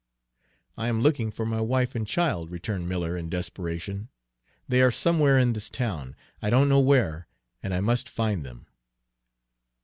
"I am looking for my wife and child," returned Miller in desperation. "They are somewhere in this town, I don't know where, and I must find them."